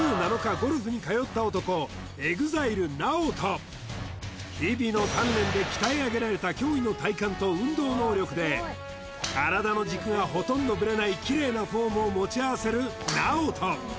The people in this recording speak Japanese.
ゴルフに通った男日々の鍛錬で鍛え上げられた驚異の体幹と運動能力で体の軸がほとんどブレないキレイなフォームを持ち合わせるＮＡＯＴＯ